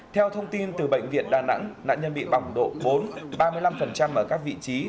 theo thông tin từ bệnh viện đà nẵng nạn nhân bị bỏng độ bốn ba mươi năm ở các vị trí